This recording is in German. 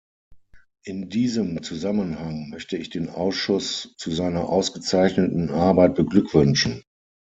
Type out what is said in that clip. In diesem Zusammenhang möchte ich den Ausschuss zu seiner ausgezeichneten Arbeit beglückwünschen.